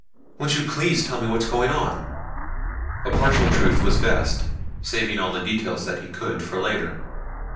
Won't you please tell me what is going on?" A partial truth was best, saving all of the details that he could for later.